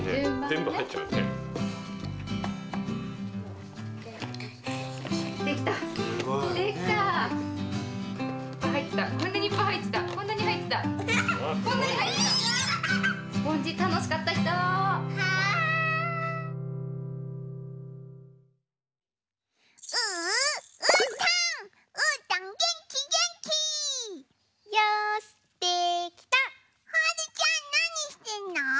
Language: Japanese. はるちゃんなにしてんの？